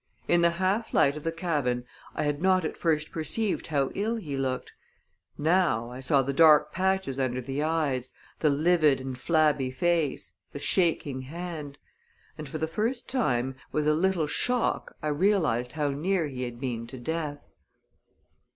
In the half light of the cabin, I had not at first perceived how ill he looked; now, I saw the dark patches under the eyes, the livid and flabby face, the shaking hand. And for the first time, with a little shock, I realized how near he had been to death.